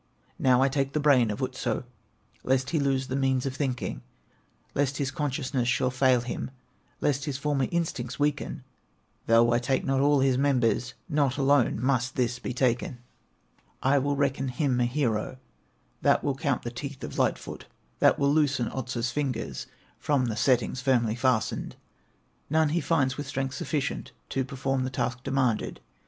"Now I take the brain of Otso, Lest he lose the means of thinking, Lest his consciousness should fail him, Lest his former instincts weaken; Though I take not all his members, Not alone must this be taken. "I will reckon him a hero, That will count the teeth of Light foot, That will loosen Otso's fingers From their settings firmly fastened." None he finds with strength sufficient To perform the task demanded.